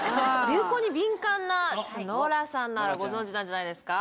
流行に敏感なノラさんならご存じなんじゃないですか？